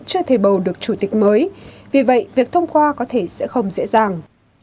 chưa thể bầu được chủ tịch mới vì vậy việc thông qua có thể sẽ không dễ dàng